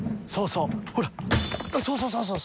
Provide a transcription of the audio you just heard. そうそうそうそう。